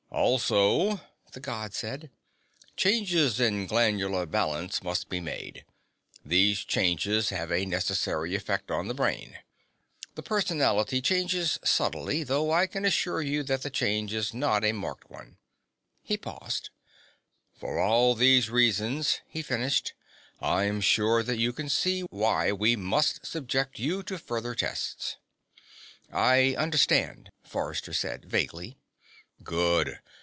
"Also," the God said, "changes in glandular balance must be made. These changes have a necessary effect on the brain. The personality changes subtly, though I can assure you that the change is not a marked one." He paused. "For all these reasons," he finished, "I am sure that you can see why we must subject you to further tests." "I understand," Forrester said vaguely. "Good.